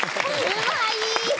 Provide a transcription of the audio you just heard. うまい！